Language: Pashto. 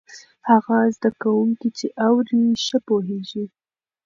هغه زده کوونکی چې اوري، ښه پوهېږي.